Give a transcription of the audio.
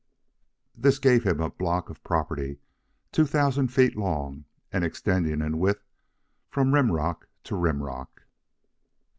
This gave him a block of property two thousand feet long and extending in width from rim rock to rim rock.